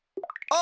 あ！